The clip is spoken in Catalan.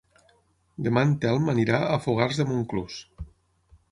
Demà en Telm anirà a Fogars de Montclús.